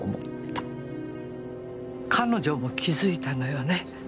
彼女も気づいたのよね？